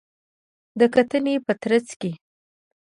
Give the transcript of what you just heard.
د کتنې په ترڅ کې